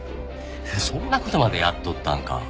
そんな事までやっとったんか。